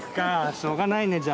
しょうがないねじゃあ。